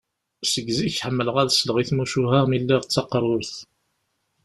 Seg zik ḥemmleɣ ad sleɣ i tmucuha mi lliɣ d taqrurt.